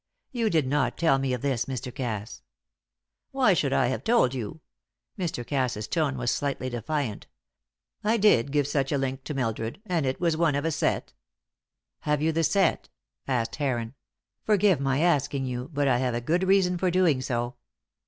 You did not tell me of this, Mr. Cass. "Why should I have told you?" Mr. Cass's tone was slightly defiant. "I did give such a link to Mildred, and it was one of a set." "Have you the set?" asked Heron. "Forgive my asking you, but I have a good reason for doing so."